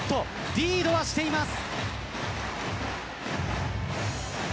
リードはしています。